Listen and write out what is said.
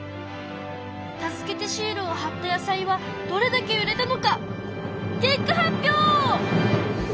助けてシールをはった野菜はどれだけ売れたのか？